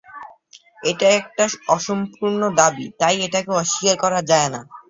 এটা একটা অসম্পূর্ণ দাবি, তাই এটাকে অস্বীকার করা যায় না।